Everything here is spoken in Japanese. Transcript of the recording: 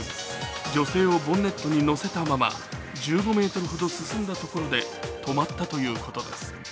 女性をボンネットに乗せたまま１５ｍほど進んだところで止まったということです。